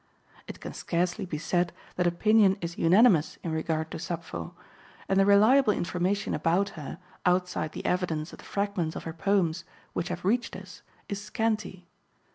It can scarcely be said that opinion is unanimous in regard to Sappho, and the reliable information about her, outside the evidence of the fragments of her poems which have reached us, is scanty.